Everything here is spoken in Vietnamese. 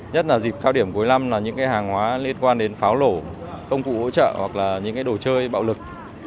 nhất là dịp cao điểm cuối năm là những hàng hóa liên quan đến pháo nổ công cụ hỗ trợ hoặc là những đồ chơi bạo lực